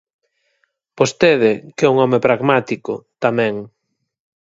Vostede, que é un home pragmático, tamén.